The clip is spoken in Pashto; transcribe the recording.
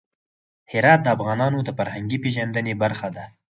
هرات د افغانانو د فرهنګي پیژندنې برخه ده.